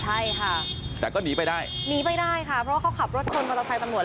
ใช่ค่ะแต่ก็หนีไปได้หนีไปได้ค่ะเพราะว่าเขาขับรถชนมอเตอร์ไซค์ตำรวจ